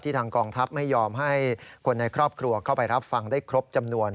ทางกองทัพไม่ยอมให้คนในครอบครัวเข้าไปรับฟังได้ครบจำนวน